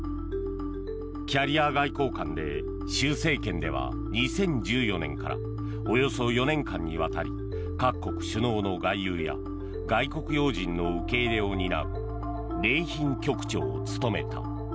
キャリア外交官で習政権では２０１４年からおよそ４年間にわたり各国首脳の外遊や外国要人の受け入れを担う礼賓局長を務めた。